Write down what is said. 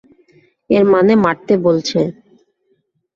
এর মানে মারতে বলছে।